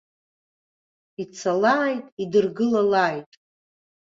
Ицалааит, идыргылалааит!